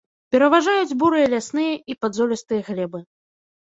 Пераважаюць бурыя лясныя і падзолістыя глебы.